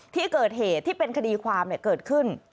ที่เกิดเหตุที่เป็นคดีความเกิดขึ้น